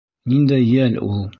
Ниндәй йәл ул...